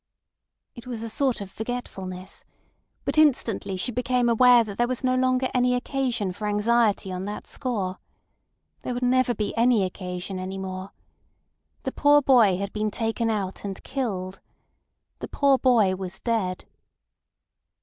It was a sort of forgetfulness; but instantly she became aware that there was no longer any occasion for anxiety on that score. There would never be any occasion any more. The poor boy had been taken out and killed. The poor boy was dead.